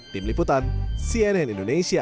tim liputan cnn indonesia